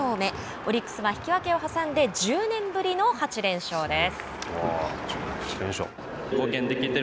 オリックスは引き分けを挟んで１０年ぶりの８連勝です。